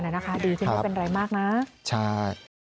ดีทีนี้เป็นอะไรมากนะใช่ครับ